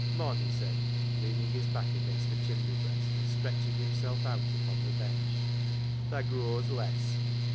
" Mon," he said, leaning his back against the chimney breast, and stretching himself out upon the bench, " tha grows less.